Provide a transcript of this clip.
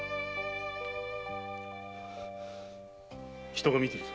人が見ているぞ。